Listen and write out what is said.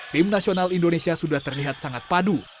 tim nasional indonesia sudah terlihat sangat padu